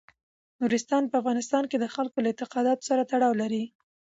نورستان په افغانستان کې د خلکو له اعتقاداتو سره تړاو لري.